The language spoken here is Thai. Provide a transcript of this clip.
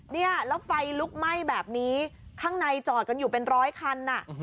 แล้วไฟลุกไหม้แบบนี้ข้างในจอดกันอยู่เป็น๑๐๐คัน